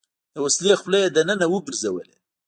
د وسلې خوله يې دننه وګرځوله.